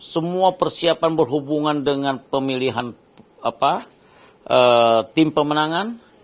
semua persiapan berhubungan dengan pemilihan tim pemenangan